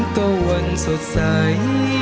ก็วันสดใส